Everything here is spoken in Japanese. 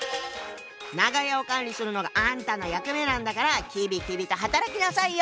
長屋を管理するのがあんたの役目なんだからきびきびと働きなさいよ。